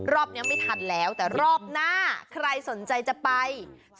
รอบนี้ไม่ทันแล้วแต่รอบหน้าใครสนใจจะไป